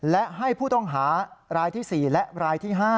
และให้ผู้ต้องหารายที่๔และรายที่๕